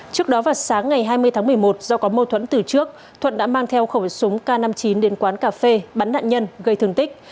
trước đó vào sáng ngày hai mươi tháng một mươi một do có mâu thuẫn từ trước thuận đã mang theo khẩu súng k năm mươi chín đến quán cà phê bắn nạn nhân gây thương tích